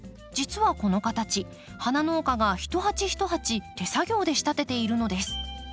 実はこの形花農家が一鉢一鉢手作業で仕立てているのです。